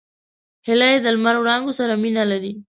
هیلۍ د لمر وړانګو سره مینه لري